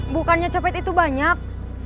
bukannya copet itu banyak